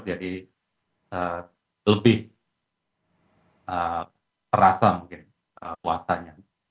jadi lebih terasa mungkin puasanya